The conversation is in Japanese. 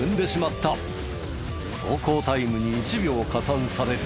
走行タイムに１秒加算される。